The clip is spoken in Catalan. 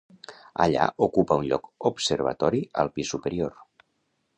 Allà ocupa un lloc observatori al pis superior.